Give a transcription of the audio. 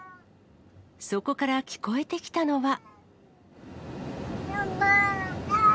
そこから聞こえてきたのは。